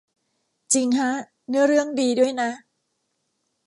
จริงฮะ เนื้อเรื่องดีด้วยนะ